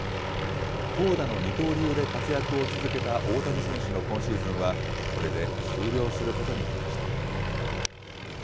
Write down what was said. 投打の二刀流で活躍を続けた大谷選手の今シーズンは、これで終了することになりました。